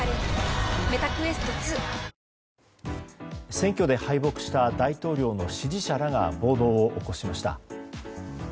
選挙で敗北した大統領の支持者らが暴動を起こしました。